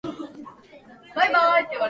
振り出しに戻った気分だ